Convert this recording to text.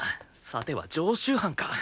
さては常習犯か？